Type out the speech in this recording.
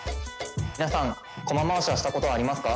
皆さんコマ回しはしたことありますか？